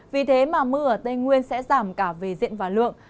vì thế mà mưa ở tây nguyên sẽ giảm cả về diện và lượng